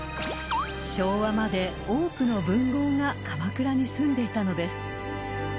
［昭和まで多くの文豪が鎌倉に住んでいたのです］